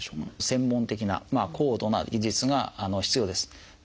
専門的な高度な技術が必要です。